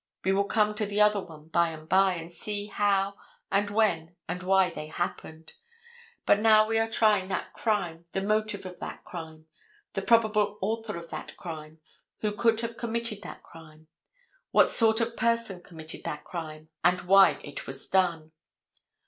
We will come at the other one by and by, and see how and when and why they happened. But now we are trying that crime, the motive of that crime, the probable author of that crime, who could have committed that crime, what sort of person committed that crime, and why it was done.